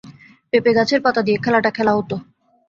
পেঁপে গাছের পাতা দিয়ে খেলাটা খেলা হত।